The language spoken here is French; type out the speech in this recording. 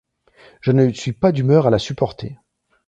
Je ne suis pas d'humeur à la supporter !